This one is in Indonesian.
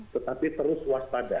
tetapi terus waspada